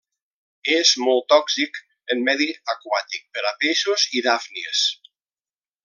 És molt tòxic en medi aquàtic per a peixos i dàfnies.